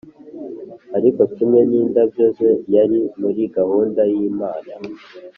ariko kimwe n'indabyo ze, yari muri gahunda y'imana.